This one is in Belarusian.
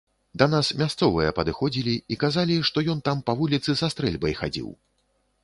Да нас мясцовыя падыходзілі і казалі, што ён там па вуліцы са стрэльбай хадзіў.